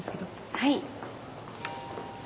はい。